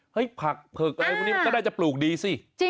เฮ้ยผักเผิกอะไรแบบนี้ก็ได้จะปลูกดีสิ